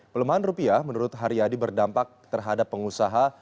pelemahan rupiah menurut haryadi berdampak terhadap pengusaha